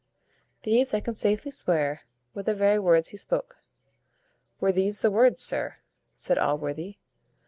These, I can safely swear, were the very words he spoke." "Were these the words, sir?" said Allworthy.